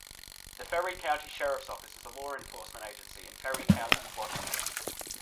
The Ferry County Sheriff's Office is a law enforcement agency in Ferry County, Washington.